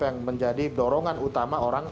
yang menjadi dorongan utama orang